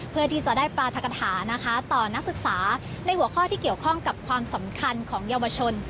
เพื่อที่จะได้ปราธกฐานะคะต่อนักศึกษาในหัวข้อที่เกี่ยวข้องกับความสำคัญของเยาวชน